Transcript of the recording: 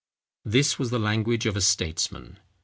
This was the language of a statesman.